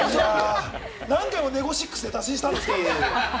何回もネゴシックスで打診したんですけれども。